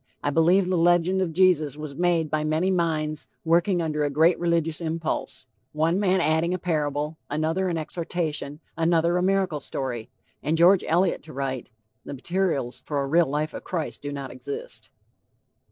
I believe the legend of Jesus was made by many minds working under a great religious impulse one man adding a parable, another an exhortation, another a miracle story;" and George Eliot to write: "The materials for a real life of Christ do not exist."